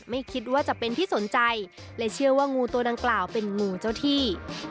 ไม่คิดว่าจะเป็นที่สนใจและเชื่อว่างูตัวดังกล่าวเป็นงูเจ้าที่